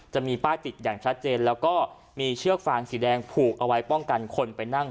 จะมีป้ายติดอย่างชัดเจนแล้วก็มีเชือกฟางสีแดงผูกเอาไว้ป้องกันคนไปนั่ง